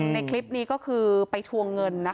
ในคลิปนี้ก็คือไปทวงเงินนะคะ